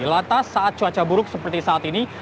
lantas saat cuaca buruk seperti saat ini